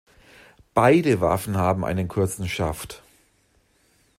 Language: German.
Beide Waffen haben einen kurzen Schaft.